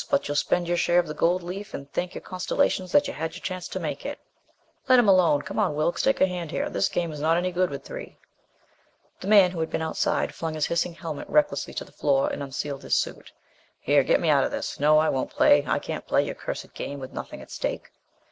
But you'll spend your share of the gold leaf and thank your constellations that you had your chance to make it." "Let him alone! Come on, Wilks, take a hand here. This game is not any good with three." The man who had been outside flung his hissing helmet recklessly to the floor and unsealed his suit. "Here, get me out of this. No, I won't play. I can't play your cursed game with nothing at stake!"